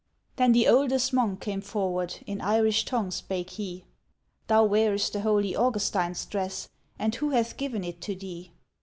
Then the oldest monk came forward, in Irish tongue spake he: 'Thou wearest the holy Augustine's dress, and who hath given it to thee?'